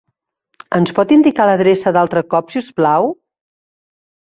Ens pot indicar l'adreça altre cop, si us plau?